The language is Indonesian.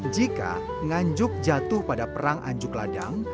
jika nganjuk jatuh pada perang anjuk ladang